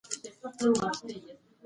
بیا به موسم وي د پسرلیو